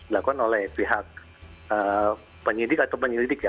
dilakukan oleh pihak penyidik atau penyelidik ya